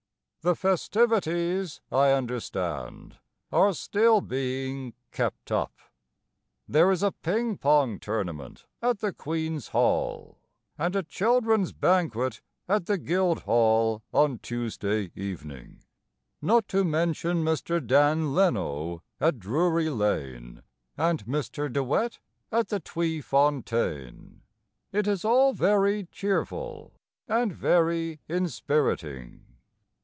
The festivities, I understand, Are still being kept up. There is a ping pong tournament at the Queen's Hall And a children's banquet At the Guildhall on Tuesday evening; Not to mention Mr. Dan Leno at Drury Lane And Mr. De Wet at the Tweefontein. It is all very cheerful And very inspiriting.